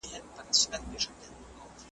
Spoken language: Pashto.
د ھرمذھب امام مې څوڅوواره وپوښتلو